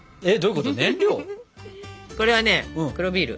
これはね黒ビール。